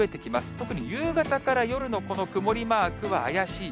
特に夕方から夜のこの曇りマークは怪しい。